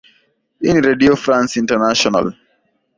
hii ni redio france international